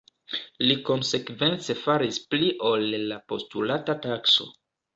Li konsekvence faris pli ol la postulata takso.